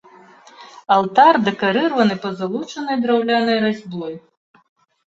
Алтар дэкарыраваны пазалочанай драўлянай разьбой.